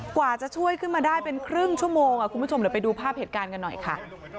กว่าจะช่วยขึ้นมาได้เป็นครึ่งชั่วโมงคุณผู้ชมเดี๋ยวไปดูภาพเหตุการณ์กันหน่อยค่ะ